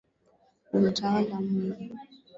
Unatawala Mungu.